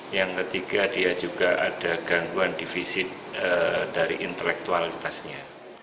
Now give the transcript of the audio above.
yang ketiga dia juga ada gangguan divisit dari intelektualitasnya